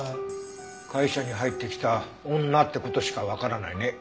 会社に入ってきた女って事しかわからないね。